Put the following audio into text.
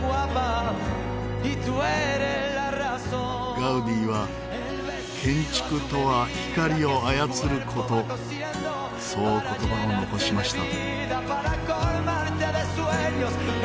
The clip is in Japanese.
ガウディは「建築とは光を操る事」そう言葉を残しました。